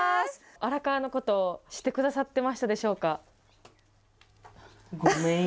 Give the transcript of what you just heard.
荒川のこと知ってくださってましたでしょうか？